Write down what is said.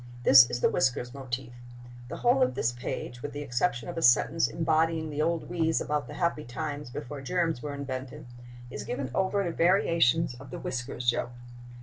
This is the whiskers motif. The whole of this page, with the exception of a sentence embodying the old wheeze about the happy times before germs were invented, is given over to variations of the whiskers joke.